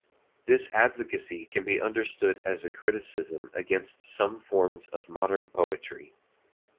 This advocacy can be understood as a criticism against some forms of modern poetry.